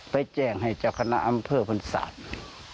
ไปแจ้งให้เจ้าคณะอำเภอพลศาสตร์